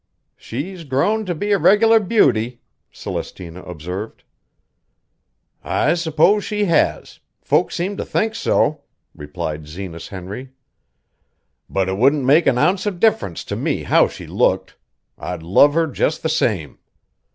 "She's grown to be a regular beauty," Celestina observed. "I s'pose she has; folks seem to think so," replied Zenas Henry. "But it wouldn't make an ounce of difference to me how she looked; I'd love her just the same.